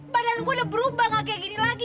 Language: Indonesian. padahal gue udah berubah gak kayak gini lagi